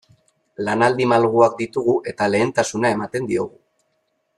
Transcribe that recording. Lanaldi malguak ditugu eta lehentasuna ematen diogu.